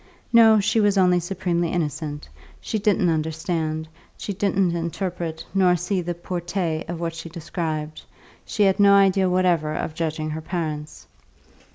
No, she was only supremely innocent; she didn't understand, she didn't interpret nor see the portée of what she described; she had no idea whatever of judging her parents.